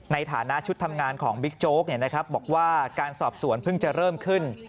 ในฐานะชุดทำงานของบิ๊กโจ๊กบอกว่าการสอบสวนเพิ่งจะเริ่มขึ้น